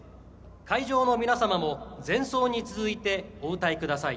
会場の皆様も、前奏に続いてお歌いください。